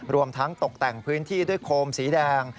รวมทั้งตกแต่งพื้นที่ด้วยโคมสีแดง